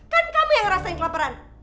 kan kamu yang rasain kelaperan